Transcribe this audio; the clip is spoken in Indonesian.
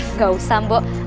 nggak usah mbok